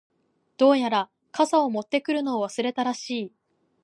•どうやら、傘を持ってくるのを忘れたらしい。